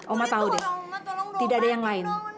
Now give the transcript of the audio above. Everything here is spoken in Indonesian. oma tahu deh tidak ada yang lain